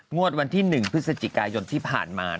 งวดวันที่๑พฤศจิกายนที่ผ่านมา